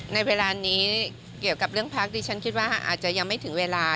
ในเวลานี้เกี่ยวกับเรื่องพักดิฉันคิดว่าอาจจะยังไม่ถึงเวลา